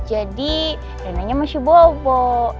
jadi renanya masih bobo